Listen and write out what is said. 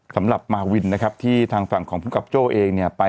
สำหรับมาวินนะครับที่ทางฝั่งของภูมิกับโจ้เองเนี่ยไป